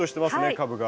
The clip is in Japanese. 株が。